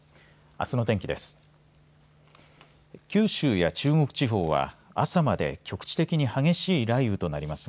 あすの天気です。